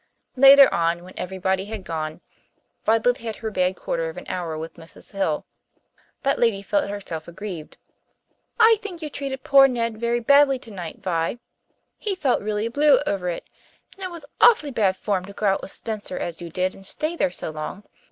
Later on, when everybody had gone, Violet had her bad quarter of an hour with Mrs. Hill. That lady felt herself aggrieved. "I think you treated poor Ned very badly tonight, Vi. He felt really blue over it. And it was awfully bad form to go out with Spencer as you did and stay there so long.